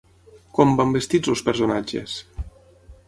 Com van vestits els personatges?